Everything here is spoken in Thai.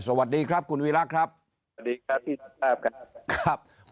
สวัสดีครับคุณวีระครับ